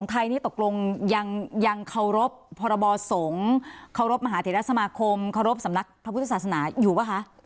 ไทยนี่ตกลงยังเคารพพรบสงฆ์เคารพมหาเทรสมาคมเคารพสำนักพระพุทธศาสนาอยู่ป่ะคะ